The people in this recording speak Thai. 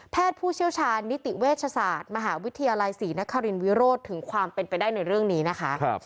ผู้เชี่ยวชาญนิติเวชศาสตร์มหาวิทยาลัยศรีนครินวิโรธถึงความเป็นไปได้ในเรื่องนี้นะคะ